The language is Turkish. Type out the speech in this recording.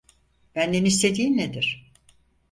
Benden istediğin nedir?